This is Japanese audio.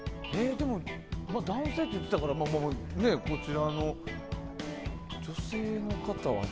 でも、男性って言ってたから女性の方は。